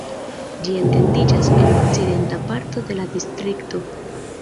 Ĝi etendiĝas en okcidenta parto de la distrikto.